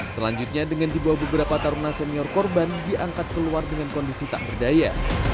selanjutnya dengan dibawa beberapa taruna senior korban diangkat keluar dengan kondisi tak berdaya